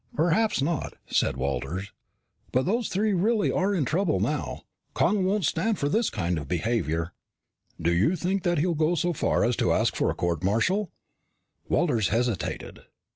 "Perhaps not," said Walters. "But those three are really in trouble now. Connel won't stand for this kind of behavior." "Do you think that he'll go so far as to ask for a court martial?" Walters hesitated.